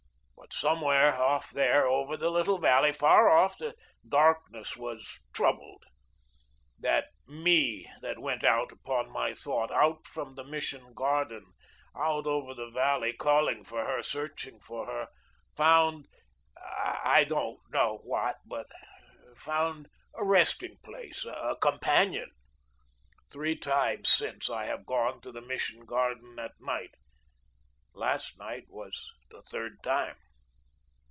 But somewhere off there over the little valley, far off, the darkness was troubled; that ME that went out upon my thought out from the Mission garden, out over the valley, calling for her, searching for her, found, I don't know what, but found a resting place a companion. Three times since then I have gone to the Mission garden at night. Last night was the third time."